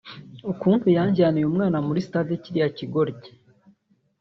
ukuntu yanjyaniye umwana muri Stade kiriya kigoryi…”